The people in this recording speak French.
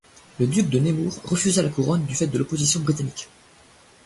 Le Duc de Nemours refusa la couronne du fait de l'opposition britannique.